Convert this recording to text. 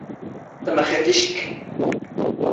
ⵜⴰⵎⴰⵅⵉⵔⵜ ⵉ ⵛⴽⴽ?